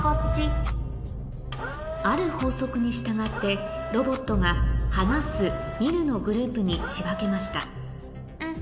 ある法則に従ってロボットが「話す」「見る」のグループに仕分けましたん？